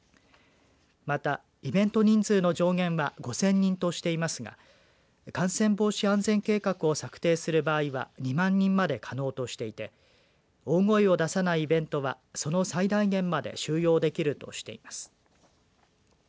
また、イベント人数の上限は５０００人としていますが感染防止安全計画を策定する場合は２万人まで可能としていて大声を出さないイベントはその最大限まで収容できるとしています。